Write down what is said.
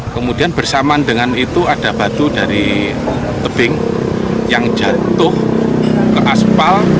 kemudian bersamaan dengan itu ada batu dari tebing yang jatuh ke aspal